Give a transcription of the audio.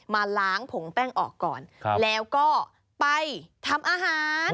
มาล้างผงแป้งออกก่อนแล้วก็ไปทำอาหาร